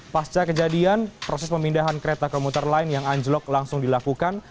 pasca kejadian proses pemindahan kereta komuter lain yang anjlok langsung dilakukan